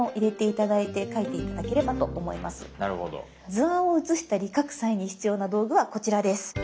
図案を写したり描く際に必要な道具はこちらです。